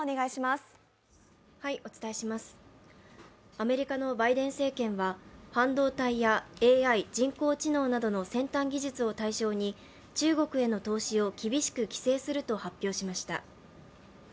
アメリカのバイデン政権は半導体やＡＩ＝人工知能などの先端技術を対象に中国への投資を厳しく規制すると発表しました。